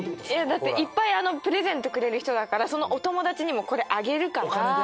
だっていっぱいプレゼントくれる人だからそのお友達にもこれあげるからお金で？